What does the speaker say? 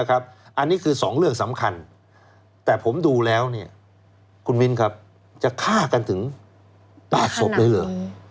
อันนี้คือสองเรื่องสำคัญแต่ผมดูแล้วคุณวินครับจะฆ่ากันถึงประสบเรื่อง